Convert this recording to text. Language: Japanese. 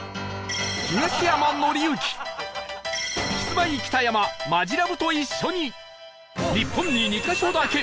東山紀之キスマイ北山マヂラブと一緒に日本に２カ所だけ！